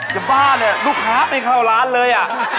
อย่าบ้าเลยลูกค้าไปเข้าร้านเลย